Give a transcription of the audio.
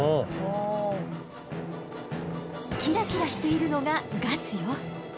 キラキラしているのがガスよ。